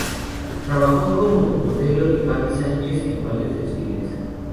Trabajó como modelo de Gaby Sánchez en varios desfiles.